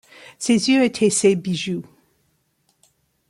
Ses yeux étaient ses bijoux.